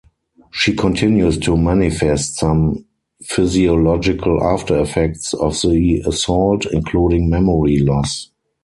She continues to manifest some physiological after-effects of the assault, including memory loss.